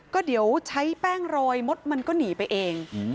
ก็เดี๋ยวใช้แป้งโรยมดมันก็หนีไปเอง